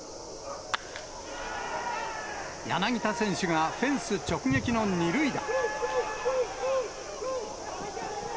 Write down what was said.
柳田選手がフェンス直撃の２塁打。